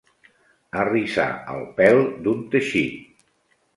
Arrissar el pèl d'un teixit.